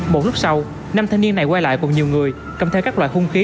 một lúc sau năm thanh niên này quay lại cùng nhiều người cầm theo các loại hung khí